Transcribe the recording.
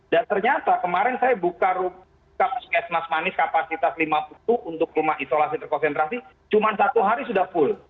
dan ternyata kemarin saya buka puskesmas manis kapasitas lima puluh dua untuk rumah isolasi terkonsentrasi cuma satu hari sudah full